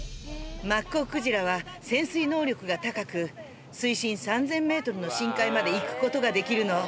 マッコウクジラは、潜水能力が高く、水深３０００メートルの深海まで行くことができるの。